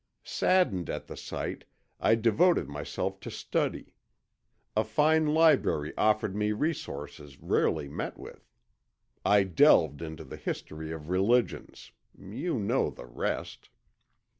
Saddened at the sight, I devoted myself to study; a fine library offered me resources rarely met with. I delved into the history of religions; you know the rest."